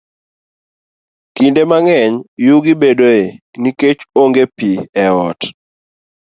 Kinde mang'eny, yugi bedoe nikech onge pi e ot.